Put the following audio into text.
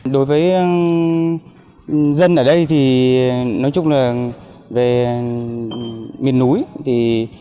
đối với dân ở đây thì nói chung là về miền núi